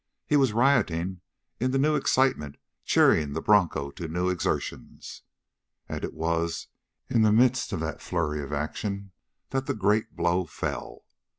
He was rioting in the new excitement cheering the broncho to new exertions. And it was in the midst of that flurry of action that the great blow fell.